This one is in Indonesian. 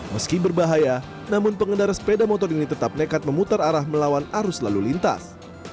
meski berbahaya namun pengendara sepeda motor ini tetap nekat memutar arah melawan arus lalu lintas